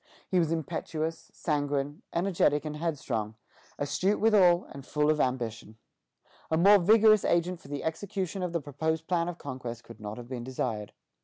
He was impetuous, sanguine, energetic, and headstrong, astute withal, and full of ambition. A more vigorous agent for the execution of the proposed plan of conquest could not have been desired.